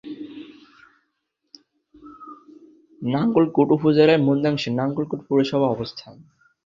নাঙ্গলকোট উপজেলার মধ্যাংশে নাঙ্গলকোট পৌরসভার অবস্থান।